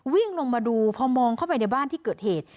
วิ่งลงมาดูพอมองเข้าไปในบ้านที่เกิดเหตุ